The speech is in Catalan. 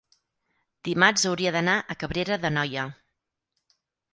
dimarts hauria d'anar a Cabrera d'Anoia.